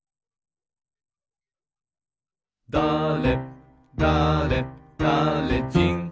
「だれだれだれじん」